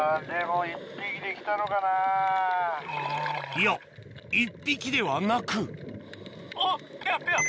いや１匹ではなくあっ！